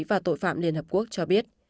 và tội phạm liên hợp quốc cho biết